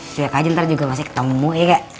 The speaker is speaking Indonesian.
cuyak aja ntar juga masih ketemu ya kak